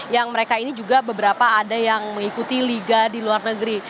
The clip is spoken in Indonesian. yang mereka ini juga beberapa ada yang mengikuti liga di luar negeri